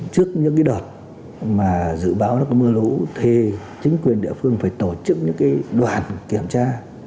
trước những cái đợt mà dự báo là mưa lũ thì chính quyền địa phương phải tổ chức những cái đoàn kiểm tra